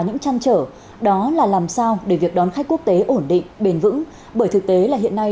những trăn trở đó là làm sao để việc đón khách quốc tế ổn định bền vững bởi thực tế là hiện nay